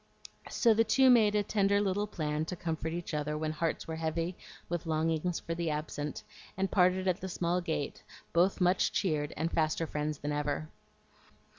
So the two made a tender little plan to comfort each other when hearts were heavy with longings for the absent, and parted at the small gate, both much cheered, and faster friends than ever.